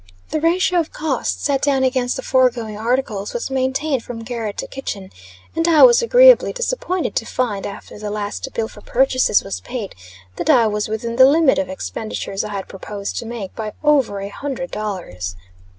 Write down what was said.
The ratio of cost set down against the foregoing articles, was maintained from garret to kitchen; and I was agreeably disappointed to find, after the last bill for purchases was paid, that I was within the limit of expenditures I had proposed to make by over a hundred dollars.